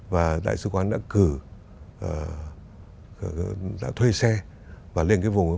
và đại sứ quán đã cử đã thuê xe và lên cái vùng